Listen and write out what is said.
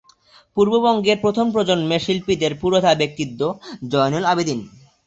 পূর্ববঙ্গের প্রথম প্রজন্মের শিল্পীদের পুরোধা ব্যক্তিত্ব জয়নুল আবেদিন।